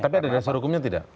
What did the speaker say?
tapi ada dasar hukumnya tidak